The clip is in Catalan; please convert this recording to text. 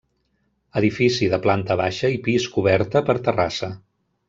Edifici de planta baixa i pis coberta per terrassa.